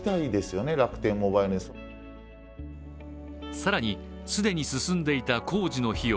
更に既に進んでいた工事の費用